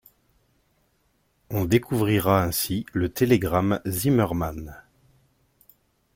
On découvrira ainsi le télégramme Zimmermann.